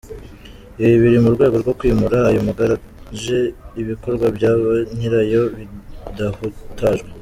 Ibi biri mu rwego rwo kwimura ayo magaraje ibikorwa bya ba nyirayo bidahutajwe.